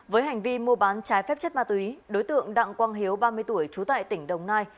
với hành vi mua bán trái phép chất ma túy đối tượng đặng quang hiếu ba mươi tuổi trú tại tỉnh đồng nai